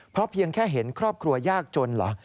เพราะเพียงแค่เห็นครอบครัวยากจนเหรอ